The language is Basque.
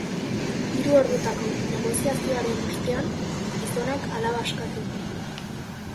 Hiru ordutako negoziazioaren ostean, gizonak alaba askatu du.